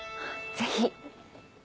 ぜひ。